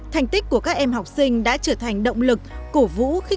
thành tích của các em học sinh đã trở thành động lực cổ vũ